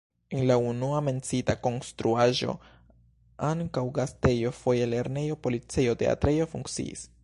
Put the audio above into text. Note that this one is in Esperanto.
En la unua menciita konstruaĵo ankaŭ gastejo, foje lernejo, policejo, teatrejo funkciis.